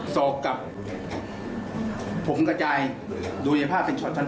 ศอกกับผมกับใจดูในภาพเป็นช็อตสั้น